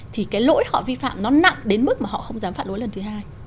thì cái lỗi họ vi phạm nó nặng đến mức mà họ không dám phạt lỗi lần thứ hai